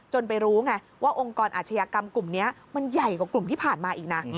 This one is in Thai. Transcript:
ไปรู้ไงว่าองค์กรอาชญากรรมกลุ่มนี้มันใหญ่กว่ากลุ่มที่ผ่านมาอีกนะ